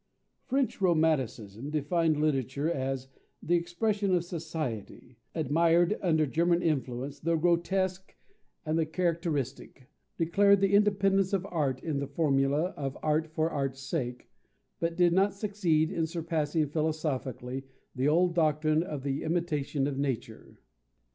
French Romanticism defined literature as "the expression of society," admired under German influence the grotesque and the characteristic, declared the independence of art in the formula of "art for art's sake," but did not succeed in surpassing philosophically the old doctrine of the "imitation of nature."